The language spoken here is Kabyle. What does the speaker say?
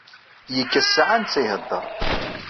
Yekka ssaɛa netta ihedder.